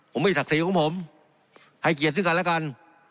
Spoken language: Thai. ผมมีศักดิ์ศรีของผมให้เกียรติซึ่งกันและกัน